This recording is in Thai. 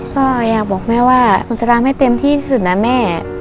ก็อยากบอกแม่ว่าหนูจะทำให้เต็มที่สุดนะแม่